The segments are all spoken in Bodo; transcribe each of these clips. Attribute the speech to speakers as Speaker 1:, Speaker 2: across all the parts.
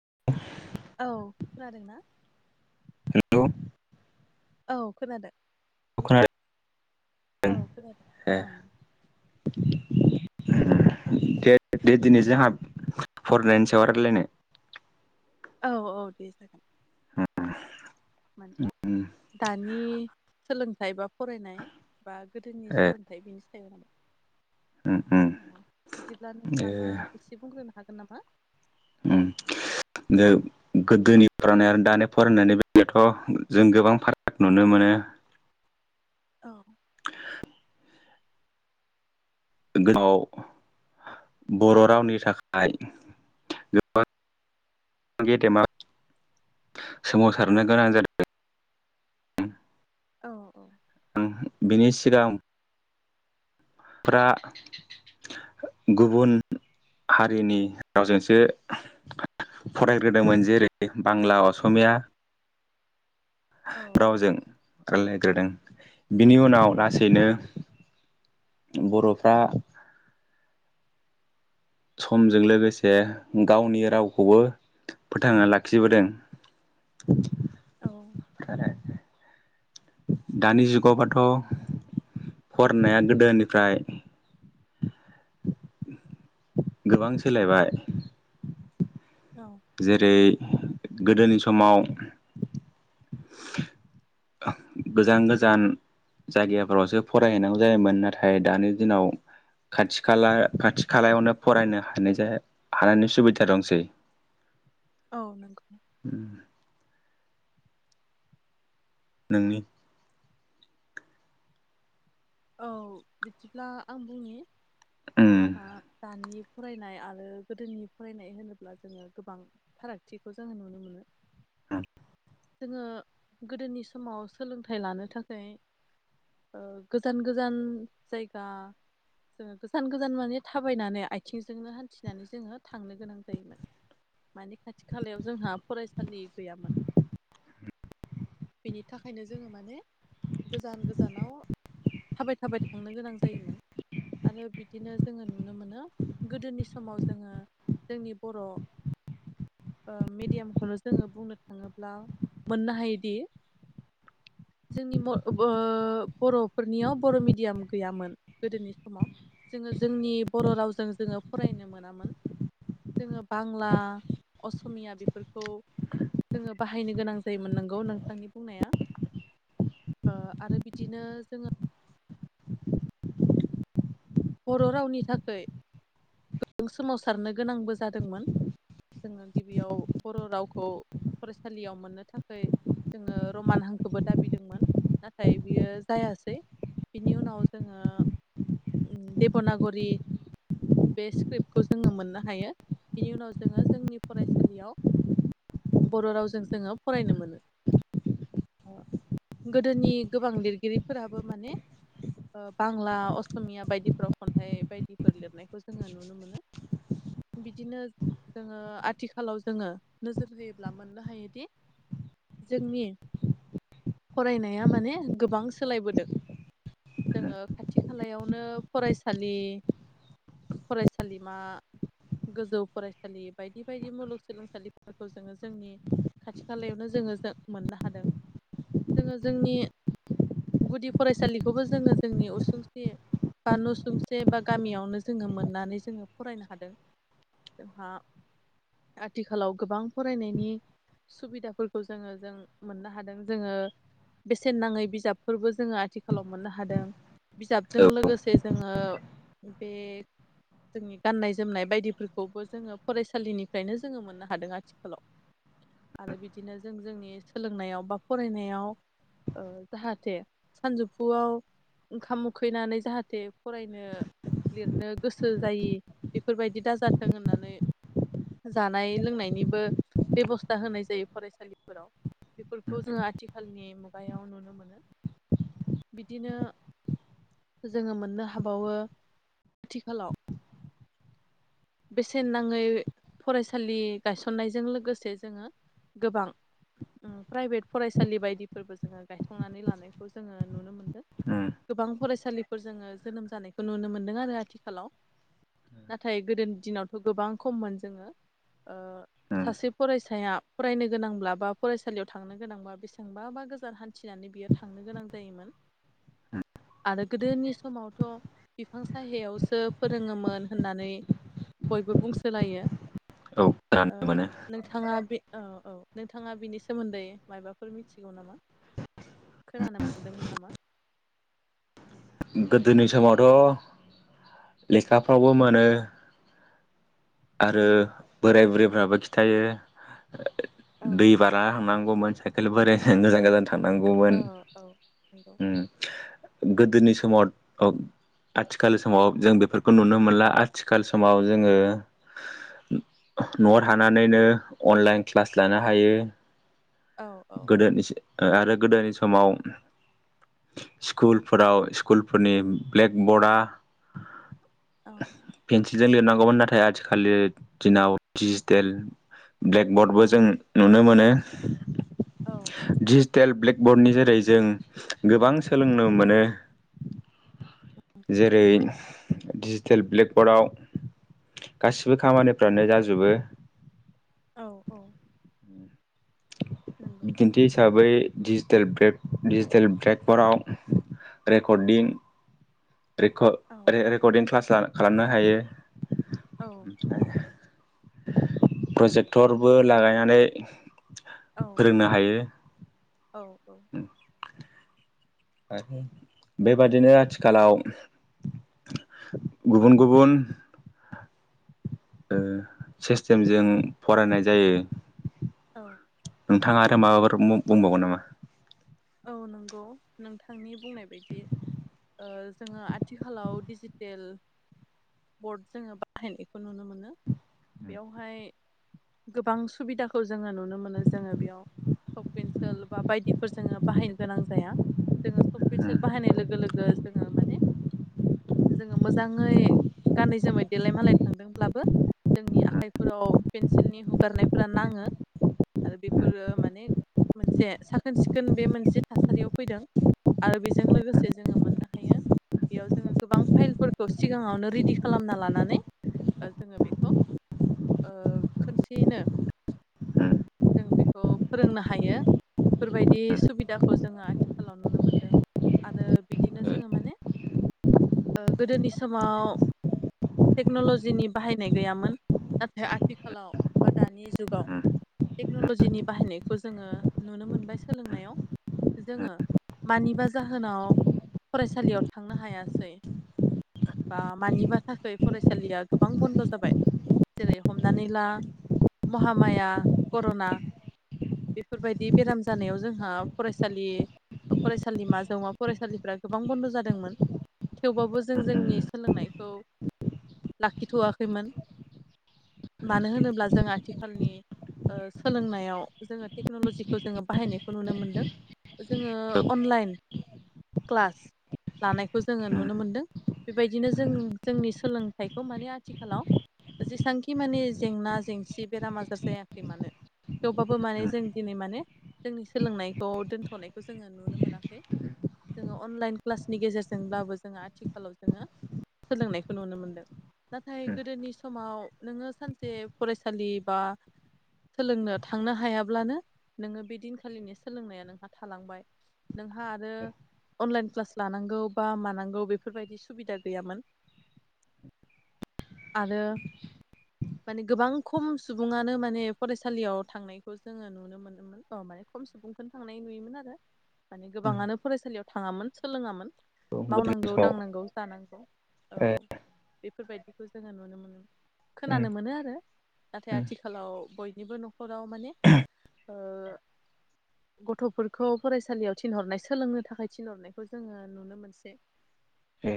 Speaker 1: [inaudible]
Speaker 2: औ खोनादोंना
Speaker 1: हेल'
Speaker 2: औ खोनादों
Speaker 1: [unintelligible]
Speaker 2: औ खोनादों
Speaker 1: ए
Speaker 2: ओं
Speaker 1: [unintelligible] दे दे दिनै जोंहा फरायनायनि सायाव रायलायनो
Speaker 2: औ औ दे जागोन
Speaker 1: उम
Speaker 2: माने दा नि सोलोंथाइ बा फरायनाय बा गोदोनि
Speaker 1: ए
Speaker 2: सोलोंथाइ बिनि सायाव आरो
Speaker 1: उम उम
Speaker 2: ओ बिदिब्ला
Speaker 1: ए
Speaker 2: नोंथाङा एसे बुंग्रोनो हागोन नामा
Speaker 1: उम ओ गोदोनि फरायनाय आरो दानि फरायनायनि बेलायावथ' जों गोबां फाराग नुनो मोनो
Speaker 2: औ
Speaker 1: [inaudible] गाव बर' रावनि थाखाय गोबां गेदेमा
Speaker 2: औ
Speaker 1: सोमावसारनो गोनां जादों
Speaker 2: औ
Speaker 1: ओं बेनि सिगां फोरा गुबुन हारिनि रावजोंसो फरायग्रोदोंमोन जेरै बांला
Speaker 2: औ
Speaker 1: असमिया
Speaker 2: औ
Speaker 1: रावजों रायलायग्रोदों बिनि उनाव ला सैनो
Speaker 2: औ
Speaker 1: बर'फ्रा समजों लोगोसे गावनि रावखौबो फोथांना लाखिबोदों
Speaker 2: औ
Speaker 1: आरो दानि जुगावबाथ' फरायनाया गोदोनिफ्राय गोबां सोलायबाय
Speaker 2: औ
Speaker 1: जेरै गोदोनि समाव गोजान गोजान जायगाफोरावसो फरायहैनांगौ जायोमोन नाथाय दानि दिनाव खाथि खाला खाथि खालायावनो फरायनो हानाय हानायनि सुबिदा दंसै
Speaker 2: औ नंगौ
Speaker 1: उम नोंनि
Speaker 2: औ बिदिब्ला आं बुंनि
Speaker 1: उम
Speaker 2: जोंहा दानि फरायनाय आरो गोदोनि फरायनाय होनोब्ला जोङो गोबां फारागथिखौ जोङो नुनो मोनो
Speaker 1: औ
Speaker 2: जोङो गोदोनि समाव सोलोंथाइ लानो थाखाय गोजान गोजान जायगा जोङो गोजान गोजान माने थाबायनानै आथिंजोंनो हान्थिनानै जोङो थांनो गोनां जायोमोन माने खाथि खालायाव जोंहा फरायसालि गैयामोन बेनि थाखायनो जोङो माने गोजान गोजानाव थाबाय थाबाय थांनो गोनां जायोमोन आरो बिदिनो जोङो नुनो मोनो गोदोनि समाव जोङो जोंनि बर' मेडियामखौनो जोङो बुंनो थाङोब्ला मोननो हायोदि जोंनि बर'फोरनियाव बर' मिडियाम गैयामोन गोदोनि समाव जोङो जोंनि बर' रावजों जोङो फरायनो मोनामोन जोङो बांला असमिया बेफोरखौ जोङो बाहायनो गोनां जायोमोन नोंगौ नोंथांनि बुंनाया आरो बि बिदिनो जोङो बर' रावनि थाखाय गोबां सोमावसारनो गोनांबो जादोंमोन जोङो गिबियाव बर' रावखौ फरायसालियाव मोननो थाखाय जोङो रमान हांखोबो दाबिदोंमोन नाथाय बियो जायासै बिनि उनाव जोङो देब'नागरि बे स्क्रिप्टखौ जोङो मोननो हायो बिनि उनाव जोङो जोंनि फरायसालियाव बर' रावजों जोङो फरायनो मोनो गोदोनि गोबां लिरगिरिफोराबो माने बांला असमिया बायदिफ्राव खन्थाइ बायदिफोर लिरनायखौ जोंहा नुनो मोनो बिदिनो जोङो आथिखालाव जोङो नोजोर होयोब्ला मोननो हायोदि जोंनि फरायनाया माने गोबां सोलायबोदों जोङो खाथि खालायावनो फरायसालि फरायसालिमा गोजौ फरायसालि बायदि बायदि मुलुगसोलोंसालिफोरखौ जोङो जोंनि खाथि खालायावनो जोङो मोननो हादों जोङो जोंनि गुदि फरायसालिखौबो जोङो जोंनि उसुंसे बा न'सुंसे बा गामियावनो जोङो मोननानै जोङो फरायनो हादों जोंहा आथिखालाव गोबां फरायनायनि सुबिदाफोरखौ जोङो जों मोननो हादों जोङो बेसेन नाङै बिजाबफोरबो जोङो आथिखालाव मोननो हादों बिजाबजों
Speaker 1: औ
Speaker 2: लोगोसे जोङो बे जोंनि गाननाय जोमनाय बायदिफोरखौबो जोङो फरायसालिनिफ्रायनो जोङो मोननो हादों आथिखालाव आरो बिदिनो जों जोंनि सोलोंनायाव बा फरायनायाव जाहाथे सानजौफुआव ओंखाम उखैनानै जाहाथे फरायनो लिरनो गोसो जायि बेफोरबायदि दाजाथों होननानै जानाय लोंनायनिबो बेबस्था होनाय जायो फरायसालिफोराव बेफोरखौ जोङो आथिखालनि मुगायाव नुनो मोनो बिदिनो जोङो मोननो हाबावो आथिखालाव बेसेन नाङै फरायसालि गायसननायजों लोगोसे जोङो गोबां प्राइभेट फरायसालि बायदिफोरबो जोङो गायसंनानै लानायखौ जोङो नुनो मोनदों
Speaker 1: उम
Speaker 2: गोबां फरायसालिफोर जोङो जोनोम जानायखौ नुनो मोनदों आरो आथिखालाव नाथाय गोदोनि दिनावथ' गोबां खममोन जोङो
Speaker 1: उम
Speaker 2: सासे फरायसाया फरायनो गोनांब्ला बा फरायसालियाव थांनो गोनांब्लाा बेसेांबा बा गोजान हान्थिनानै बियो थांनो गोनां जायोमोन आरो गोदोनि समावथ' बिफां साहायावसो फोरोङोमोन होननानै बयबो बुंसोलायो
Speaker 1: औ
Speaker 2: ओ
Speaker 1: खोनानो मोनो
Speaker 2: नोंथाङा बे औ औ नोंथाङा बिनि सोमोनदै मायबाफोर मिथिगौ नामा खोनानो मोनदोंमोन नामा
Speaker 1: गोदोनि समावथ' लेखाफ्रावबो मोनो आरो
Speaker 2: औ
Speaker 1: बोराय बुरै फोराबो खिथायो
Speaker 2: औ
Speaker 1: दै बारा होनां गौ मोन साइकेल बोरायजों गोजान गोजान थांनांगौमोन
Speaker 2: औ औ नंगौ
Speaker 1: उम गोदोनि समाव अ आथिखाल समाव जों बेफोरखौ नुनो मोनला आथिखाल समाव जोङो न'वाव थानानैनो अनलाइन क्लास लानो हायो
Speaker 2: औ औ
Speaker 1: गोदोनिसै ओ आरो गोदोनि समाव स्कुलफोराव स्कुलफोरनि ब्लेकबर्डआ
Speaker 2: औ
Speaker 1: जों लिरनांगौमोन नाथाय आथि खालनि दिनाव डिजिटेल ब्लेक बरर्डबो
Speaker 2: औ
Speaker 1: जों नुनो मोनो
Speaker 2: औ
Speaker 1: [inaudible] डिजेटेल ब्लेक बर्डनि जेरै जों गोबां सोलोंनो मोनो जेरै डिजिटेल ब्लेकबर्डआव गासिबो खामानिफ्रानो जाजोबो
Speaker 2: औ औ नंगौ
Speaker 1: बिदिनथि हिसाबै डिजिटेल ब्रेक डिजिटेल ब्रेकफोराव रेकर्डिं
Speaker 2: औ
Speaker 1: रेकर्ड रेकर्डदिं क्लास खालामनो हायो
Speaker 2: औ
Speaker 1: प्रजेक्टरबो लागायनानै
Speaker 2: औ
Speaker 1: फोरोंनो हायो
Speaker 2: औ औ
Speaker 1: आरो बेबादिनो आथिखालाव गुबुन गुबुन ओ सिस्टेमजों फरायनाय जायो
Speaker 2: औ
Speaker 1: नोंथाङा आरो माबाफोर बुंबावगोन नामा
Speaker 2: औ नंगौ नोंथांनि बुंनाय बायदि ओ जोङो आथिखालाव डिजिटेल बर्ड जोङो बाहायनायखौ नुनो मोनो बेयावहाय गोबां सुबिदाखौ जोङो नुनो मोनो जोङो बेयाव सक पेन्सिल बा बायदिफोर जोङो बाहायनो गोनां जाया जोङो सक पेन्सिल बाहायनाय लोगो लोगो जोङो माने जोङो मोजाङै गानै जोमै देलाय मालाय थांदोंब्लाबो जोंनि आखाइफोराव पेन्सिलनि हुगारनायफोरा नाङो आरो बेफोरो माने मोनसे साखोन सिखोन बे मोनसे थासारियाव फैदों आरो बेजों लोगोसे जोङो मोननो हायो बेयाव जोङो गोबां फाइलफोरखौ सिगाङावनो रेडि खालामना लानानै जोङो बेखौ ओ खनसेयैनो जों बेखौ फोरोंनो हायो बेफोरबायदि सुबिदाखौ जोङो आथिखालाव नुनो मोनदों आरो बिदिनो जोङो माने ओ गोदोनि समाव टेक्न'लजिनि बाहायनाय गैयामोन नाथाय आथिखालाव बा दानि जुगाव टेक्न'लजिनि बाहायनायखौ जोङो नुनो मोनबाय सोलोंनायाव जोङो मानिबा जाहोनाव फरायसालियाव थांनो हायासै बा मानिबा थाखै फरायसालिया गोबां बन्द' जाबाय जेरै हमनानै ला महामाया कर'ना बेफोरबायदि बेराम जानायाव जोंहा फरायसालि फरायसालिम जौमा फरायसालिफ्रा गोबां बन्द' जादोंमोन थेवबाबो जों जोंनि सोलोंनायखौ लाखिथ'वाखैमोन मानो होनोब्ला जों आथिखालनि सोलोंनायाव जोङो टेक्न'लजिखौ जोङो बाहायनायखौ नुनो मोन्दों जोङो
Speaker 1: ओ औ
Speaker 2: अनलाइन क्लास लानायखौ जोङो
Speaker 1: उम
Speaker 2: नुनो मोनदों बेबायदिनो जों जोंनि सोलोंथाइखौ माने आथिखालाव जेसेबांखि माने जेंना जेंसि बेराम आजार जायाखै मानो थेवबाबो माने
Speaker 1: उम
Speaker 2: जों दिनै माने जोंनि सोलोंनाय खौ दोनथ'नायखौ जोङो नुनो मोनाखै जोङो अनलाइन क्लासनि गेजेरजोंब्लाबो जोङो आथिखालाव जोङो सोलोंनायखौ नुनो मोनदों नाथाय
Speaker 1: उम
Speaker 2: गोदोनि समाव नोङो सानसे फरायसालि बा सोलोंनो थांनो हायाब्लानो नोङो बे दिनखालिनि सोलोंनाया नोंहा थालांबाय नोंहा आरो अनलाइन क्लास लानांगौ बा मानांगौ बेफोरबायदि सुबिदा गैयामोन आरो माने गोबां खम सुबुानो माने फरायसालियाव थांनायखौ जोङो नुनो मोनोमोन माने खम सुबुं बेनो थांनाय नुयोमोन आरो माने
Speaker 1: उम
Speaker 2: गोबाङानो फरायसालियाव थाङामोन सोलोङामोन
Speaker 1: औ गोदोनि
Speaker 2: मावनांगौ
Speaker 1: समाव
Speaker 2: दांनांगौ जानांगौ औ
Speaker 1: ए
Speaker 2: बेफोरबायदिखौ जोङो नुनो मोनो
Speaker 1: उम
Speaker 2: खोनानो मोनो आरो नाथाय
Speaker 1: उम
Speaker 2: आथिखालाव बय बेबो नं खराव माने ओ गथ'फोरखौ फरायसालियाव थिनहरनाय सोलोंनो थाखाय थिनहरनायखौ जोङो नुनो मोनसै
Speaker 1: ए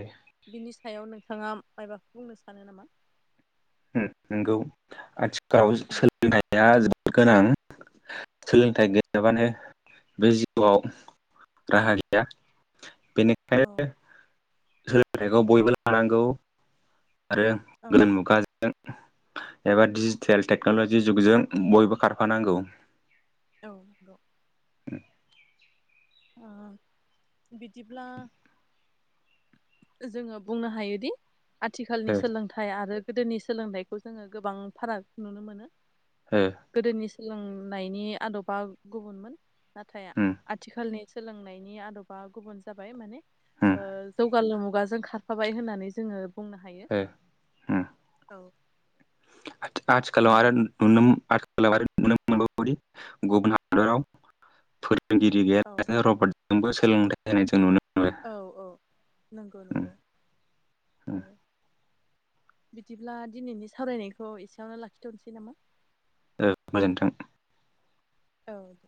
Speaker 2: बिनि सायाव नोंथाङा माइबाखौ बुंनो सानो नामा
Speaker 1: ओम नंगौ गाव सोलिनाया जो गोनां सोलोंथाइ गैयाबानो बे जिउआव राहा गैया
Speaker 2: औ
Speaker 1: बेनिखायनो सोलोंथाइखौ बयबो लानांगौ आरो
Speaker 2: औ
Speaker 1: गोदान मुगा एबा डिजिटेल टेक्न'लजि जुगजों बयबो खारफानांगौ
Speaker 2: औ नंगौ
Speaker 1: [inaudible]
Speaker 2: अ बिदिब्ला जोङो बुंनो हायोदि आथिखालनि
Speaker 1: ओ
Speaker 2: सोलोंथाइ आरो गोदोनि सोलोंथाइखौ जोङो गोबां फाराग नुनो मोनो।
Speaker 1: ओ
Speaker 2: गोदोनि सोलोंनायनि आदबा गुबुनमोन नाथाय
Speaker 1: उम
Speaker 2: आथिखालनि सोलोंनायनि आदबा गुबुन जाबाय माने।
Speaker 1: उम
Speaker 2: ओ जौग गालु मुगाजों खारफाबाय होननानै जोङो बुंनो हायो। औ
Speaker 1: आथि आथिखालाव आरो नुनो [unintelligible] गुबुन हादराव [unintelligible] [unintelligible]
Speaker 2: औ
Speaker 1: जोंबो सोलोंथाइ होनाय जों नुनो मोनो
Speaker 2: औ औ नंगौ नंगौ औ बिदिब्ला दिनैनि सावरायनायखौ एसेयावनो लाखिथ'नोसै
Speaker 1: ओ गोजोनथों
Speaker 2: औ दे